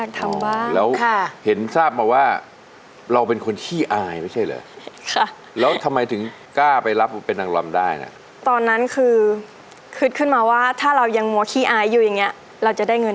แก้ปัญหาเรื่องความอายยังไง